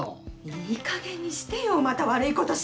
いいかげんにしてよまた悪いことして！